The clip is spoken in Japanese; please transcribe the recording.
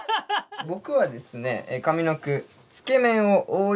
僕はですね上の句。